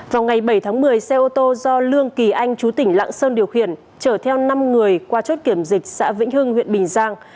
vào ngày bảy tháng một mươi xe ô tô do lương kỳ anh chú tỉnh lạng sơn điều khiển chở theo năm người qua chốt kiểm dịch xã vĩnh hưng huyện bình giang